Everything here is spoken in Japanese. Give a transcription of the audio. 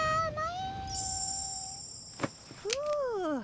ふう。